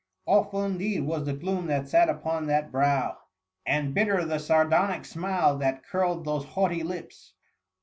^ Awful, indeed, was the gloom that sat upon that brow, and bitter the sardonic smile that curled those haughty lips.